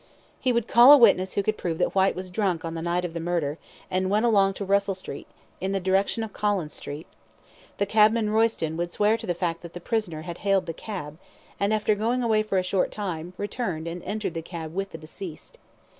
He would call a witness who could prove that Whyte was drunk on the night of the murder, and went along Russell Street, in the direction of Collins Street; the cabman Royston could swear to the fact that the prisoner had hailed the cab, and after going away for a short time, returned and entered the cab with the deceased.